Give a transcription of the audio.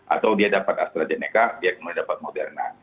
atau dia dapat astrazeneca dia kemudian dapat moderna